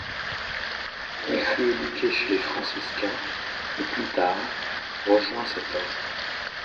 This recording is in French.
Il fut éduqué chez les franciscains et, plus tard, rejoint cet ordre.